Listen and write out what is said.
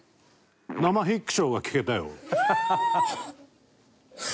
生ヘックシ！が聞けたよ。